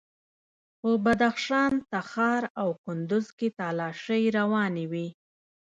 په بدخشان، تخار او کندوز کې تالاشۍ روانې وې.